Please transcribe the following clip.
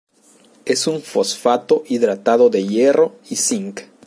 Es un fosfato hidratado de hierro y zinc.